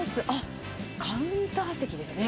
カウンター席ですね。